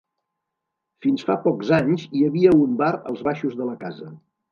Fins fa pocs anys hi havia un bar als baixos de la casa.